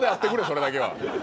それだけは。